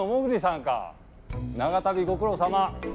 長旅ご苦労さま。